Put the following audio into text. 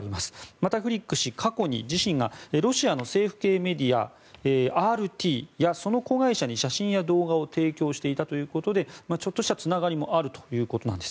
また、フリック氏過去に自身がロシアの政府系メディアＲＴやその子会社に写真や動画を提供していたということでちょっとしたつながりもあるということなんです。